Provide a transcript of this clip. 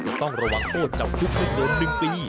ต้องระวังโทษจำคุกไม่เกิน๑ปี